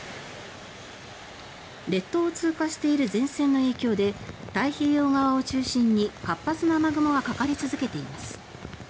列島を通過している前線の影響で太平洋側を中心に活発な雨雲がかかり続けています。